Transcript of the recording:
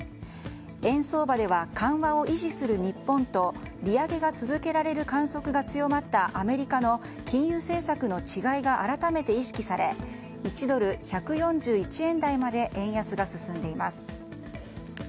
円相場では緩和を維持する日本と利上げが続けられる観測が強まったアメリカの金融政策の違いが改めて意識され１ドル＝１４１円台まで円安が進んでいます。